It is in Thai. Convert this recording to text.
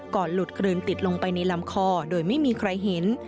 ก่อนหลุดกลืนติดลงไปในลำคอโดยไม่มีใครเห็น